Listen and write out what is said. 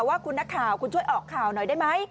ว่าคุณนักข่าวคุณช่วยออกข่าวหน่อยได้ไหม